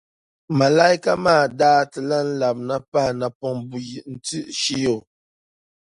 malaika maa daa ti lan labina pahi napɔŋ buyi nti shihi o.